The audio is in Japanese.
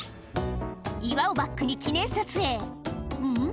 岩をバックに記念撮影うん？